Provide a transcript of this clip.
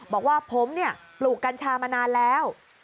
บอกว่าผมปลูกกัญชามานานแล้ว